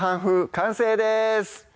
完成です